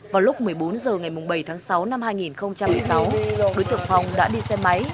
vào lúc một mươi bốn h ngày bảy tháng sáu năm hai nghìn một mươi sáu đối tượng phong đã đi xe máy